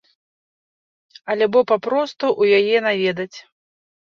Альбо папросту ў яе наведаць.